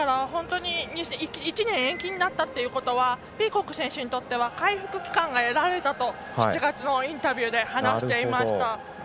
１年延期になったということはピーコック選手にとっては回復期間が得られたと７月のインタビューで話していました。